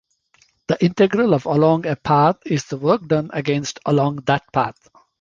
The integral of along a path is the work done against along that path.